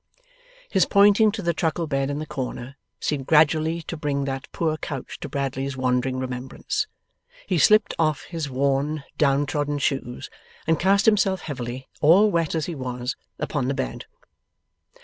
His pointing to the truckle bed in the corner, seemed gradually to bring that poor couch to Bradley's wandering remembrance. He slipped off his worn down trodden shoes, and cast himself heavily, all wet as he was, upon the bed.